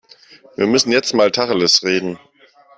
Wir müssen jetzt mal Tacheles reden.